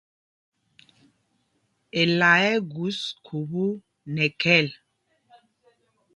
Ela ɛ́ ɛ́ gus khubú nɛ khɛl.